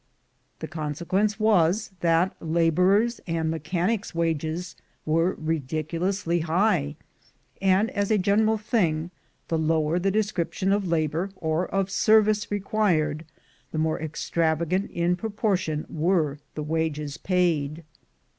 The consequence was that laborers' and m.echanics' wages were ridiculously high; and, as a general thing, the lower the description of labor, or of service, required, the more extravagant in proportion were the wages paid.